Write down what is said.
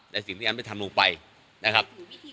ในสิ่งที่แอมได้ทำลงไปนะครับ